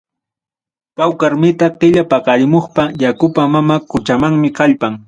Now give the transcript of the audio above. Pawqar mita killa paqarimuqpa, yakuqa mama quchamanmi kallpan.